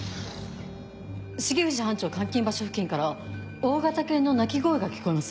重藤班長監禁場所付近から大型犬の鳴き声が聞こえます。